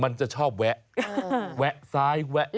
มันจะชอบแวะแวะซ้ายแวะ